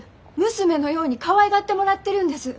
娘のようにかわいがってもらってるんです。